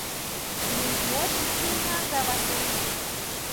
Nijme xi tjín jan ngabasen.